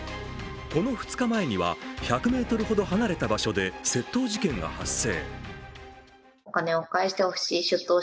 この２日前には、１００ｍほど離れた場所で窃盗事件が発生。